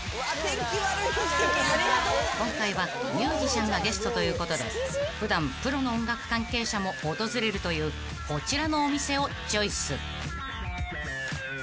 ［今回はミュージシャンがゲストということで普段プロの音楽関係者も訪れるというこちらのお店をチョイス］